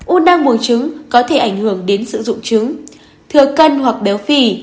út nang bùng trứng có thể ảnh hưởng đến sử dụng trứng thừa cân hoặc béo phì